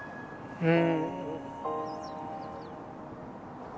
うん。